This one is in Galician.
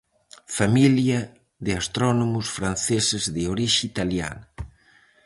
Familia de astrónomos franceses de orixe italiana.